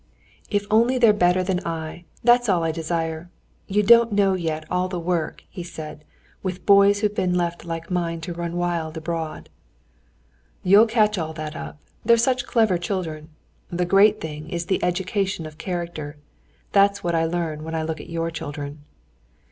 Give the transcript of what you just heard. "If only they're better than I! That's all I desire. You don't know yet all the work," he said, "with boys who've been left like mine to run wild abroad." "You'll catch all that up. They're such clever children. The great thing is the education of character. That's what I learn when I look at your children."